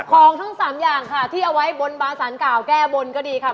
ของทั้งสามอย่างค่ะที่เอาไว้บนบาสารเก่าแก้บนก็ดีค่ะ